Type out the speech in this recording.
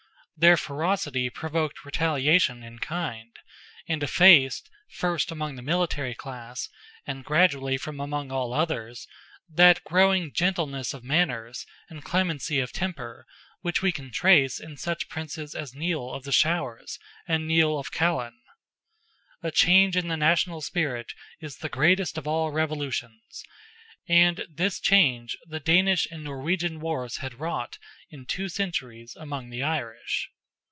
Their ferocity provoked retaliation in kind, and effaced, first among the military class, and gradually from among all others, that growing gentleness of manners and clemency of temper, which we can trace in such princes as Nial of the Showers and Nial of Callan. "A change in the national spirit is the greatest of all revolutions;" and this change the Danish and Norwegian wars had wrought, in two centuries, among the Irish.